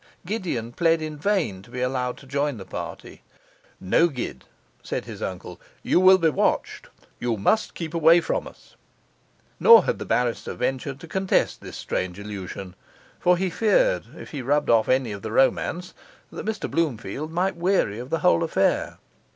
Gideon pled in vain to be allowed to join the party. 'No, Gid,' said his uncle. 'You will be watched; you must keep away from us.' Nor had the barrister ventured to contest this strange illusion; for he feared if he rubbed off any of the romance, that Mr Bloomfield might weary of the whole affair.